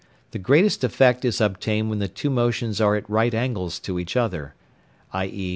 The greatest effect is obtained when the two motions are at right angles to each other, _i.e.